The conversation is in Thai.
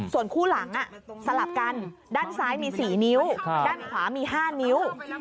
ส่วนคู่หลังสลับกันด้านซ้ายมี๔นิ้วด้านขวามี๕นิ้ว